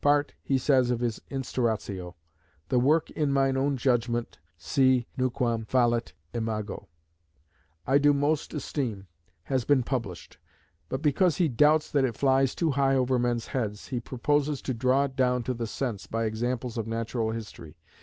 Part, he says, of his Instauratio, "the work in mine own judgement (si nunquam fallit imago) I do most esteem," has been published; but because he "doubts that it flies too high over men's heads," he proposes "to draw it down to the sense" by examples of Natural History.